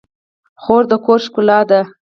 خور د کور ښکلا ده.